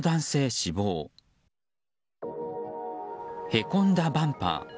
へこんだバンパー。